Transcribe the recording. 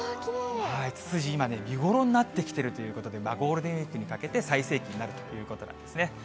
ツツジ今ね、見頃になってきているということで、ゴールデンウィークにかけて最盛期になるということなんですね。